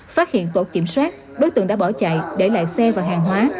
phát hiện tổ kiểm soát đối tượng đã bỏ chạy để lại xe và hàng hóa